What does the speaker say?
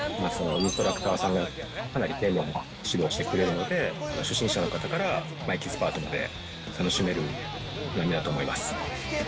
インストラクターさんがかなり丁寧に指導してくれるので、初心者の方から、エキスパートまで楽しめる波だと思います。